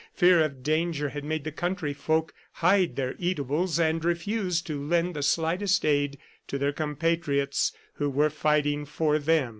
Fear of danger had made the country folk hide their eatables and refuse to lend the slightest aid to their compatriots who were fighting for them.